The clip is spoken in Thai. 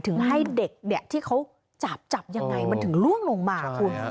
ถึงให้เด็กที่เขาจับยังไงมันถึงล่วงลงมา